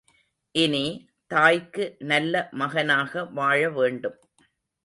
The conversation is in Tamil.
இனி, தாய்க்கு நல்ல மகனாக வாழ வேண்டும்.